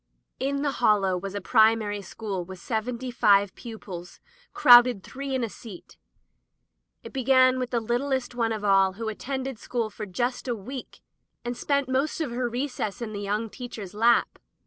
In the Hollow was a primary school with seventy five pupils, crowded three in a seat. It began with the littlest one of all who at tended school for just a week, and spent most of her recesses in the young teacher's lap.